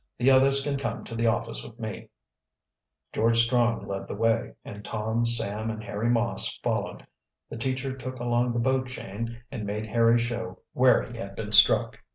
The others can come to the office with me." George Strong led the way, and Tom, Sam, and Harry Moss followed. The teacher took along the boat chain and made Harry show where he had been struck.